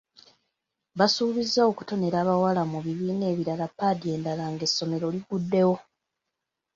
Basuubiza okutonera abawala mu bibiina ebirala paadi endala ng'essomero liguddewo.